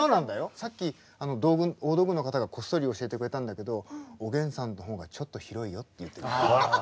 さっき大道具の方がこっそり教えてくれたんだけど「おげんさん」の方がちょっと広いよって言ってた。